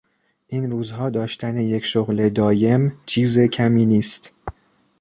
این روزها داشتن یک شغل دایم چیز کمی نیست!